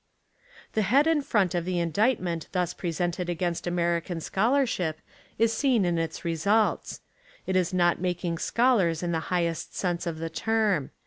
The head and front of the indictment thus presented against American scholarship is seen in its results. It is not making scholars in the highest sense of the term.